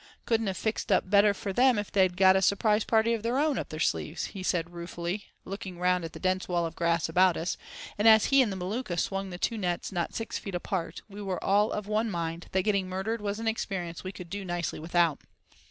"Couldn't have fixed up better for them if they've got a surprise party of their own up their sleeves," he added ruefully, looking round at the dense wall of grass about us; and as he and the Maluka swung the two nets not six feet apart, we were all of one mind that "getting murdered was an experience we could do nicely without."